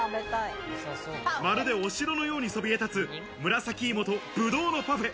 まるでお城のようにそびえ立つ紫芋とブドウのパフェ。